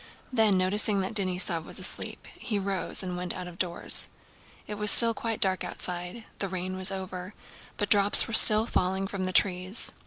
Then, noticing that Denísov was asleep, he rose and went out of doors. It was still quite dark outside. The rain was over, but drops were still falling from the trees.